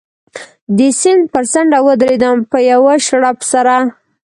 د سیند پر څنډه و درېدم، په یوه شړپ سره.